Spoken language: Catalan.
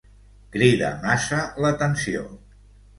Crida massa l'atenció.